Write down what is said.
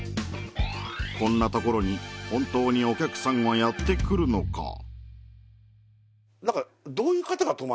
こんなところに本当にお客さんはやってくるのか？